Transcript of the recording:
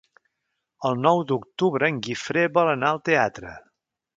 El nou d'octubre en Guifré vol anar al teatre.